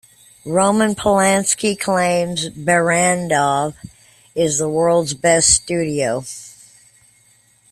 Roman Polanski claims Barrandov is the world's best studio.